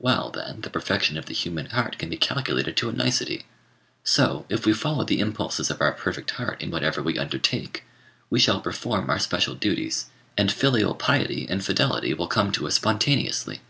Well, then, the perfection of the human heart can be calculated to a nicety, So, if we follow the impulses of our perfect heart in whatever we undertake, we shall perform our special duties, and filial piety and fidelity will come to us spontaneously.